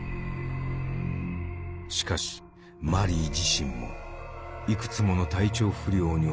しかしマリー自身もいくつもの体調不良に襲われていた。